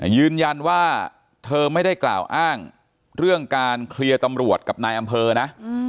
ยืนยันว่าเธอไม่ได้กล่าวอ้างเรื่องการเคลียร์ตำรวจกับนายอำเภอนะ